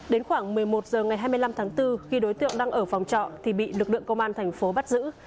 đến khoảng một mươi một h ngày hai mươi năm tháng bốn khi đối tượng đang ở phòng trọ thì bị lực lượng công an thành phố bắt giữ